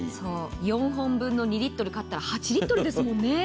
４本分の２リットル買ったら８リットルですもんね。